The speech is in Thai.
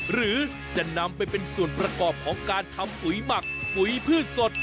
หรือจะนำไปเป็นส่วนประกอบของการทำปุ๋ยหมักปุ๋ยพืชสด